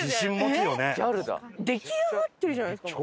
出来上がってるじゃないですか。